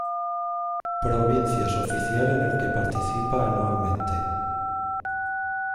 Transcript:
Provincias oficial en el que participa anualmente.